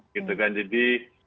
gitu kan jadi